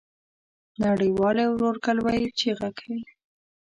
نړۍ والي ورورګلوی چیغه کوي.